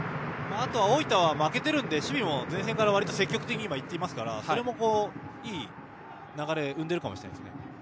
あとは大分は負けているので守備も前線から積極的にいっていますからそれも、いい流れを生んでいるかもしれません。